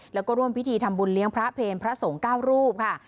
แล้วก็ร่วมพิธีทำบุญเลี้ยงพระเพลพระสงฆ์๙รูปค่ะ